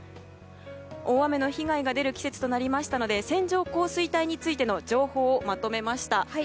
大雨の被害が出る季節となりましたので線状降水帯についての情報をまとめました。